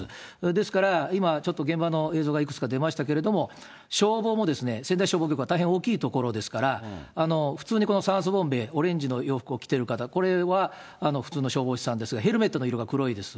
ですから今、ちょっと現場の映像がいくつか出ましたけれども、消防も、仙台市消防局は大変大きいところですから、普通に酸素ボンベ、オレンジの洋服を着ている方、これは普通の消防士さんですが、ヘルメットの色が黒いです。